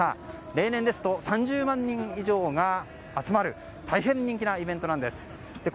例年ですと３０万人以上集まる大変人気なイベントなんです。